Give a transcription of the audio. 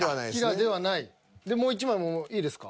でもう１枚もいいですか？